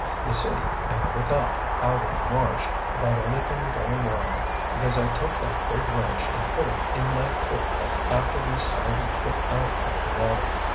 You see, I never thought, out in the marsh, about anything going wrong because I took that big wrench and put it in my tool kit after we salvaged it out of the water.